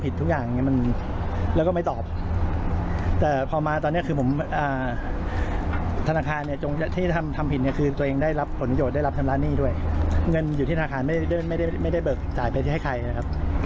โดยรับทำร้านหนี้ด้วยเงินอยู่ที่ธนาคารไม่ได้เบิกจ่ายไปให้ใครนะครับ